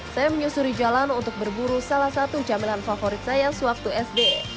saya menyusuri jalan untuk berburu salah satu jaminan favorit saya sewaktu sd